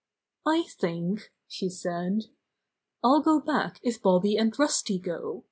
"I think," she said, "I'll go back if Bobby and Rusty go.